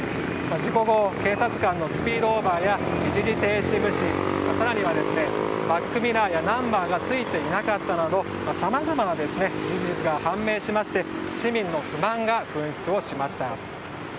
事故後、警察官のスピードオーバーや一時停止無視更にはバックミラーやナンバーがついていなかったなどさまざまな事実が判明しまして市民の不満が噴出しました。